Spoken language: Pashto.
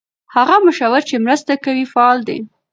هغه مشاور چې مرسته کوي فعال دی.